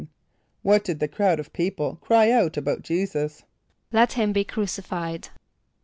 = What did the crowd of people cry out about J[=e]´[s+]us? ="Let him be crucified."